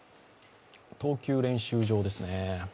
投球練習場ですね。